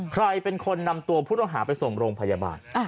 ใครเป็นคนนำตัวผู้ต้องหาไปส่งโรงพยาบาล